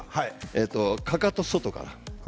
かかとは外から。